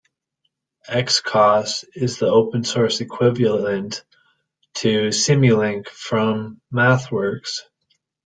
Xcos is the open source equivalent to Simulink from the MathWorks.